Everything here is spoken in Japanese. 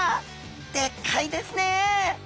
でっかいですねえ。